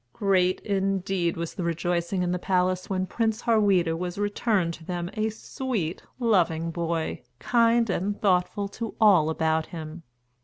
Great indeed was the rejoicing in the palace when Prince Harweda was returned to them a sweet, loving boy, kind and thoughtful to all about him.